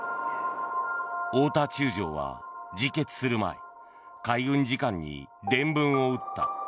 大田中将は自決する前海軍次官に電文を打った。